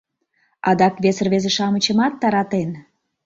Адак вес рвезе-шамычымат таратен.